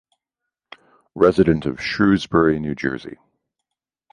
Resident of Shrewsbury, New Jersey.